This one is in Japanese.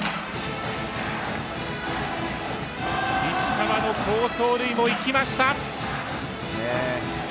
石川の好走塁も生きました。